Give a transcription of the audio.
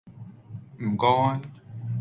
唔該